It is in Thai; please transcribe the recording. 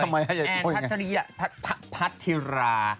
ฉันต้องพัดทิรา